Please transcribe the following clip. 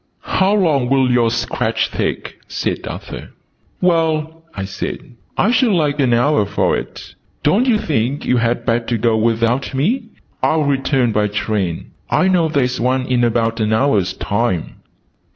"How long will your sketch take?" said Arthur. "Well," I said, "I should like an hour for it. Don't you think you had better go without me? I'll return by train. I know there's one in about an hour's time."